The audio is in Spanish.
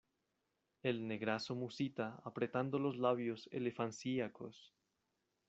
el negrazo musita apretando los labios elefancíacos: